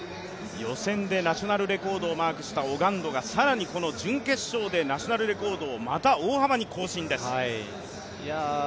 予選でナショナルレコードをマークしたオガンドが更にこの準決勝でナショナルレコードをまた大幅に更新です。